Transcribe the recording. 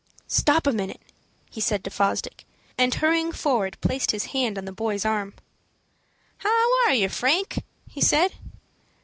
"Stop a minute," he said to Fosdick, and hurrying forward placed his hand on the boy's arm. "How are you, Frank?" he said.